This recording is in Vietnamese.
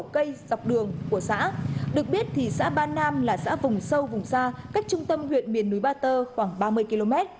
cây dọc đường của xã được biết thì xã ba nam là xã vùng sâu vùng xa cách trung tâm huyện miền núi ba tơ khoảng ba mươi km